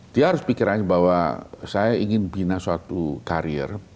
dia harus pikirannya bahwa saya ingin bina suatu karier